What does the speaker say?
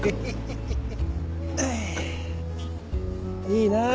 いいなぁ。